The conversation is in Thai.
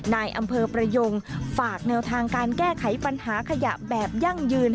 นายอำเภอประยงฝากแนวทางการแก้ไขปัญหาขยะแบบยั่งยืน